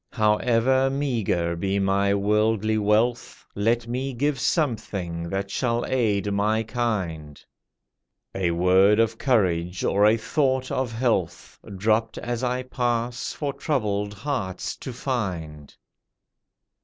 However meagre be my worldly wealth, Let me give something that shall aid my kind— A word of courage, or a thought of health, Dropped as I pass for troubled hearts to find.